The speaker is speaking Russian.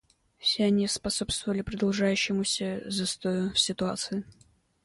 Все они способствовали продолжающемуся застою в ситуации.